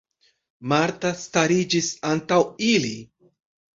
Marta stariĝis antaŭ ili.